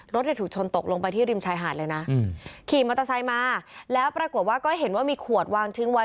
ถูกชนตกลงไปที่ริมชายหาดเลยนะขี่มอเตอร์ไซค์มาแล้วปรากฏว่าก็เห็นว่ามีขวดวางทิ้งไว้